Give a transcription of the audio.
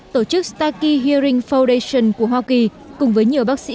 tổ chức starkey hearing foundation của hoa kỳ cùng với nhiều bác sĩ